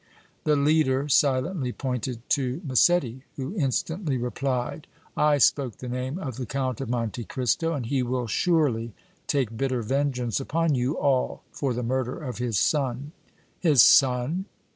The leader silently pointed to Massetti, who instantly replied: "I spoke the name of the Count of Monte Cristo, and he will surely take bitter vengeance upon you all for the murder of his son!" "His son?"